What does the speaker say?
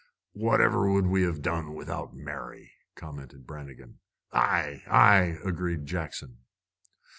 "Whatever would we have done without Mary?" commented Brannigan. "Ay, ay!" agreed Jackson.